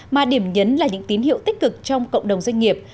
mà điểm nhấn là những tín hiệu tích cực trong cộng đồng doanh nghiệp